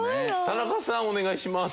田中さんお願いします。